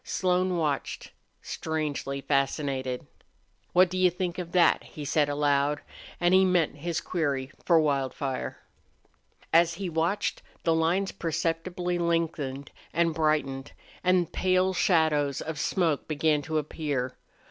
Slone watched, strangely fascinated. "What do you think of that?" he said, aloud, and he meant his query for Wildfire. As he watched the lines perceptibly lengthened and brightened and pale shadows of smoke began to appear.